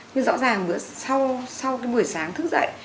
nhưng rõ ràng sau cái buổi sáng thức dậy